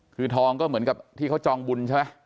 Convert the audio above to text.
คือทองก็เหมือนกับที่เขาจองบุญใช่ไหม